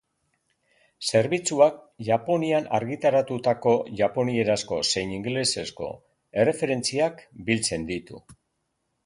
Zerbitzuak Japonian argitaratutako japonierazko zein ingelesezko erreferentziak biltzen ditu.